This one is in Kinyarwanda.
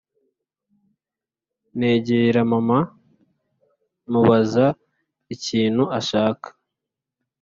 negera mama mubaza ikintu ashaka